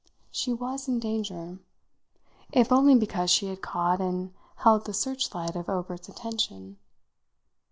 She was in danger if only because she had caught and held the search light of Obert's attention.